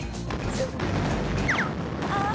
ああ。